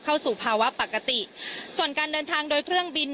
เข้าสู่ภาวะปกติส่วนการเดินทางโดยเครื่องบิน